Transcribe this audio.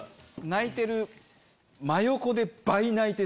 泣いてる。